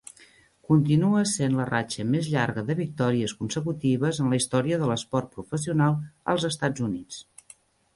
Continua essent la ratxa més llarga de victòries consecutives en la història de l'esport professional als Estats Units.